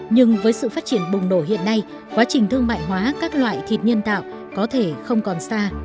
nhưng với sự phát triển bùng nổ hiện nay quá trình thương mại hóa các loại thịt nhân tạo có thể không còn xa